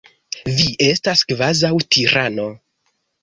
Vi estas kvazaŭ tirano.